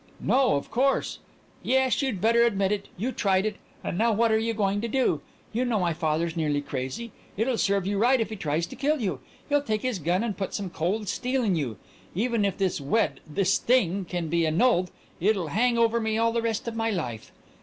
"No of course " "Yes, you'd better admit it! You tried it, and now what are you going to do? Do you know my father's nearly crazy? It'll serve you right if he tries to kill you. He'll take his gun and put some cold steel in you. Even if this wed this thing can be annulled it'll hang over me all the rest of my life!"